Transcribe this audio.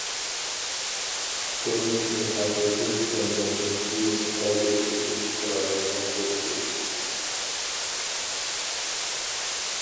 تۇرمۇشنى ھەقىقىي چۈشەنگەندىن كېيىن سەگەك ھۆكۈم چىقىرالايدىغان بولىسىز.